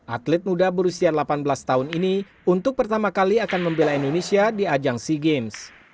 atlet muda berusia delapan belas tahun ini untuk pertama kali akan membela indonesia di ajang sea games